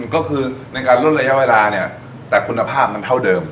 ก็คือในการลดระยะเวลาเนี่ยแต่คุณภาพมันเท่าเดิม